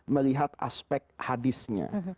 melihat aspek hadisnya